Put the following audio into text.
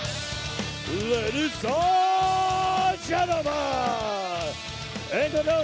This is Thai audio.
อัศวินาทีที่ทุกคนรอคอยได้ทางมาถึงแล้วนะครับ